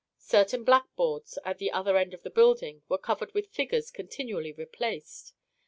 Certain blackboards at the other end of the building were covered with figures continually replaced.